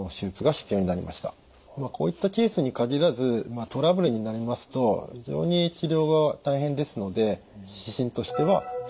こういったケースに限らずトラブルになりますと非常に治療が大変ですので指針としては△。